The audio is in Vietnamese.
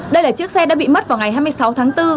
đây là chiếc xe đã bị mất vào ngày hai mươi sáu tháng bốn